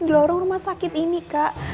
di lorong rumah sakit ini kak